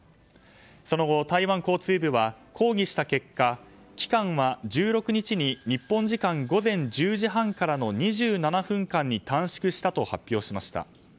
その後、台湾交通部は抗議した結果期間は１６日の日本時間午前１０時半からの２７分間に短縮したと発表しました。